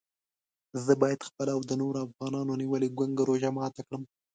زه باید خپله او د نورو افغانانو نیولې ګونګه روژه ماته کړم.